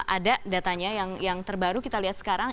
ada datanya yang terbaru kita lihat sekarang